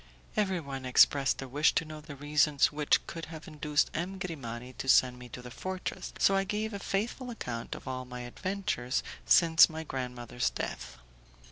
Everyone expressed a wish to know the reasons which could have induced M. Grimani to send me to the fortress, so I gave a faithful account of all my adventures since my grandmother's death.